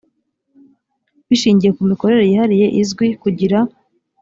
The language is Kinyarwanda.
bishingiye ku mikorere yihariye izwi kugira